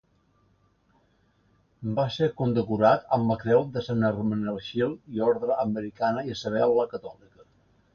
Va ser condecorat amb la Creu de Sant Hermenegild i Orde Americana Isabel La Catòlica.